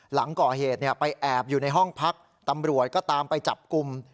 หลังก่อเหตุไปแอบอยู่ในห้องพักตำรวจก็ตามไปจับกลุ่ม